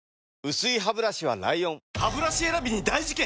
薄いハブラシは ＬＩＯＮハブラシ選びに大事件！